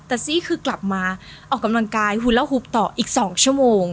แต่ซี่คือกลับมาออกกำลังกายหุ่นละหุบต่ออีก๒ชั่วโมง